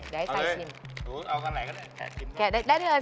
เอาไหนก็แกะซ์ได้๓อันเลย